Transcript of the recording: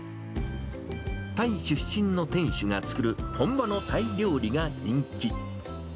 タイ出身の店主が作る本場のタイ料理が人気。